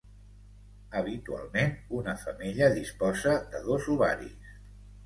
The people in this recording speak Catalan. Habitualment una femella disposa de dos ovaris.